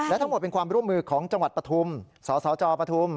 และทั้งหมดเป็นความร่วมมือของจังหวัดปฐุมสสจปฐุม